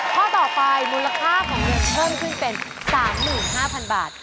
ข้อต่อไปมูลค่าของเงินเพิ่มขึ้นเป็น๓๕๐๐๐บาท